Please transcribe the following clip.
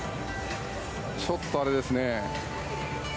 ちょっと、あれですね。